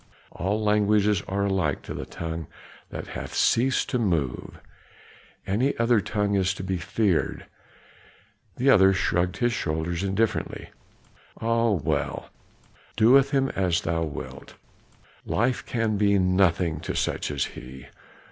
All languages are alike to the tongue that hath ceased to move; any other tongue is to be feared." The other shrugged his shoulders indifferently. "Ah well, do with him as thou wilt; life can be nothing to such as he.